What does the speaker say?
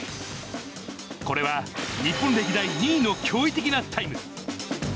これは日本歴代２位の驚異的なタイム。